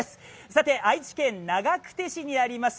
さて、愛知県長久手市にあります